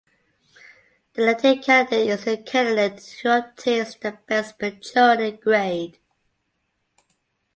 The elected candidate is the candidate who obtains the best majority grade.